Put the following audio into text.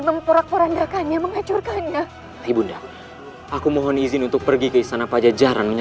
sampai jumpa di video selanjutnya